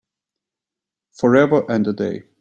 Forever and a day